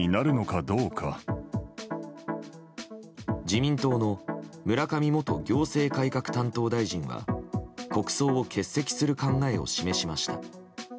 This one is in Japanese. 自民党の村上元行政改革担当大臣は国葬を欠席する考えを示しました。